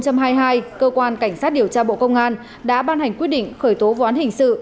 cơ quan cảnh sát điều tra bộ công an đã ban hành quyết định khởi tố vụ án hình sự